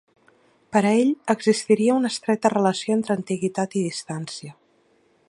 Per a ell, existiria una estreta relació entre antiguitat i distància.